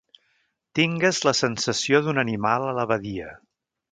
Tingues la sensació d'un animal a la badia!